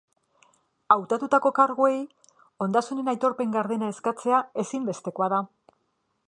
Hautatutako karguei ondasunen aitorpen gardena eskatzea ezinezkoa da.